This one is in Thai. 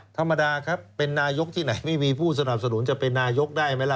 ธรรมดาครับเป็นนายกที่ไหนไม่มีผู้สนับสนุนจะเป็นนายกได้ไหมล่ะ